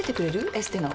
エステの。